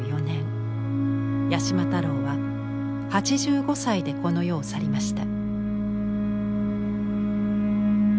八島太郎は８５歳でこの世を去りました。